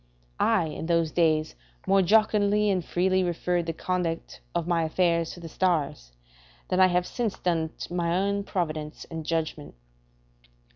I, in those days, more jocundly and freely referred the conduct of my affairs to the stars, than I have since done to my own providence and judgment.